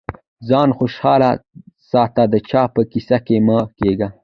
ځان خوشاله ساته د چا په کيسه کي مه کېږه.